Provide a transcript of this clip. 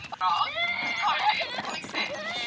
겸손과 여호와를 경외함의 보응은 재물과 영광과 생명이니라